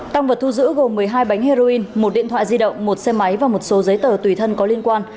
tăng vật thu giữ gồm một mươi hai bánh heroin một điện thoại di động một xe máy và một số giấy tờ tùy thân có liên quan